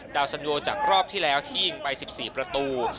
สันโยจากรอบที่แล้วที่ยิงไป๑๔ประตู